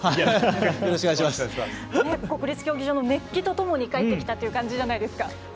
国立競技場の熱気とともに帰ってきたという感じじゃないですか。